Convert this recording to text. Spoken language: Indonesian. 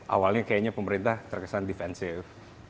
awalnya kayaknya pemerintah terkesan defensif